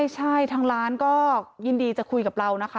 ใช่ทางร้านก็ยินดีจะคุยกับเรานะคะ